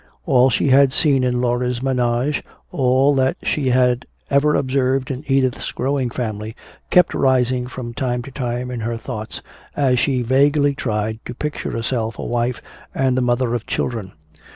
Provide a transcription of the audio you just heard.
All she had seen in Laura's ménage, all that she had ever observed in Edith's growing family, kept rising from time to time in her thoughts, as she vaguely tried to picture herself a wife and the mother of children.